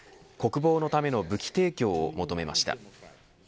国防のための武器提供を求めました。